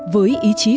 với ý chí